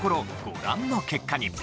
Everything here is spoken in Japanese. ご覧の結果に。